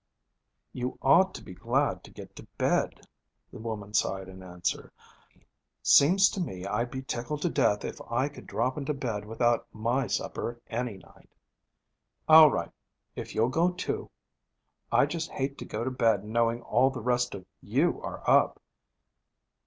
'You ought to be glad to go to bed,' the mother sighed in answer. 'I'd be. Seems to me I'd be tickled to death if I could drop into bed without my supper any night.' 'I'll go if you'll go, too. I just hate to go to bed knowing all the rest of you are up.'